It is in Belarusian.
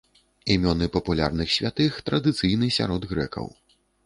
Імёны папулярных святых традыцыйны сярод грэкаў.